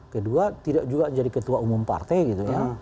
kedua tidak juga jadi ketua umum partai gitu ya